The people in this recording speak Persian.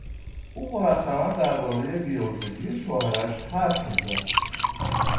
او مرتبا دربارهی بیعرضگی شوهرش حرف میزد.